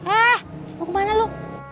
eh mau kemana lu